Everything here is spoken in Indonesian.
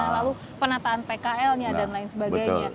lalu penataan pkl nya dan lain sebagainya